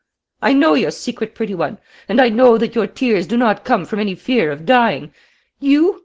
I know your secret, pretty one, and I know that your tears do not come from any fear of dying. You?